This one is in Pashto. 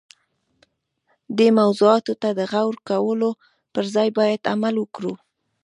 دې موضوعاتو ته د غور کولو پر ځای باید عمل وکړو.